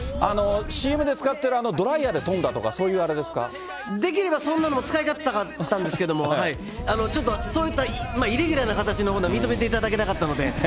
ＣＭで使ってる、ドライヤーで飛んだとか、そういうあれですできればそんなのも使いたかったんですけど、ちょっとそういった、イレギュラーな形のものは認めていただけなかったので。